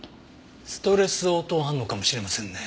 ストレス応答反応かもしれませんね。